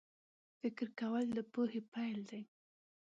فکر کول د پوهې پیل دی